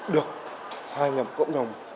được hoài nhập cộng đồng